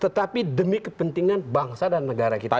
tetapi demi kepentingan bangsa dan negara kita